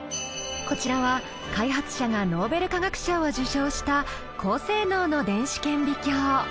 こちらは開発者がノーベル化学賞を受賞した高性能の電子顕微鏡。